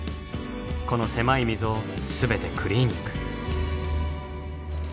この狭い溝を全てクリーニング。